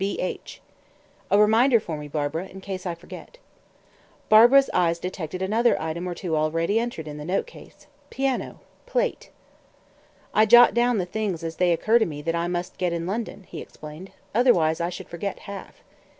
B. H." "A reminder for me, Barbara, in case I forget." Barbara's eyes detected another item or two already entered in the note case: "piano," "plate." "I jot down the things as they occur to me, that I must get in London," he explained. "Otherwise I should forget half."